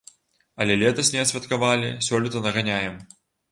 Але летась не адсвяткавалі, сёлета наганяем.